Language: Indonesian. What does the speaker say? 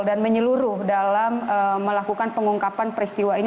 dan menyeluruh dalam melakukan pengungkapan peristiwa ini